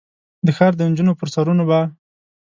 د ښار د نجونو پر سرونو به ،